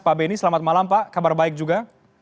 pak benny selamat malam pak kabar baik juga